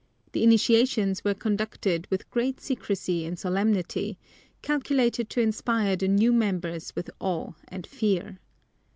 The initiations were conducted with great secrecy and solemnity, calculated to inspire the new members with awe and fear.